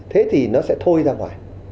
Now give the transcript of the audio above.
thế thì nó sẽ thôi ra ngoài